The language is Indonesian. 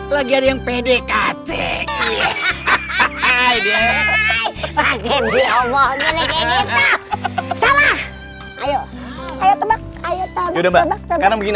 lagi ada yang pdk tegih hahaha hai pake bioboh gini salah ayo ayo ayo udah mbak sekarang begini